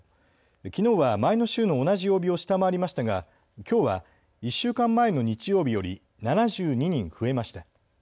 きのうは前の週の同じ曜日を下回りましたが、きょうは１週間前の日曜日より７２人増えました。